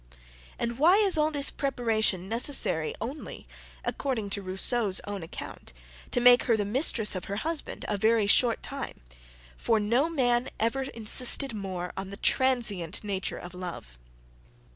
And why is all this preparation necessary only, according to Rousseau's own account, to make her the mistress of her husband, a very short time? For no man ever insisted more on the transient nature of love.